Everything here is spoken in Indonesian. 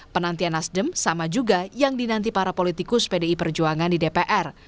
penantian nasdem sama juga yang dinanti para politikus pdi perjuangan di dpr